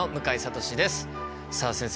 さあ先生